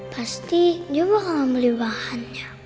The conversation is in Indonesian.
pasti dia bakalan beli bahannya